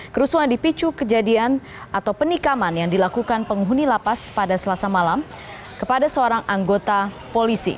kerusuhan dipicu kejadian atau penikaman yang dilakukan penghuni lapas pada selasa malam kepada seorang anggota polisi